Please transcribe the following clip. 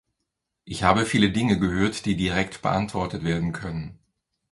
Ich habe viele Dinge gehört, die direkt beantwortet werden können.